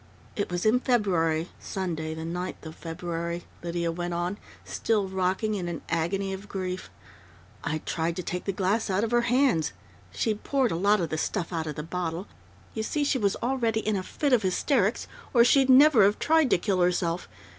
"It was in February Sunday, the ninth of February," Lydia went on, still rocking in an agony of grief. "I tried to take the glass out of her hands. She'd poured a lot of the stuff out of the bottle.... You see, she was already in a fit of hysterics, or she'd never have tried to kill herself....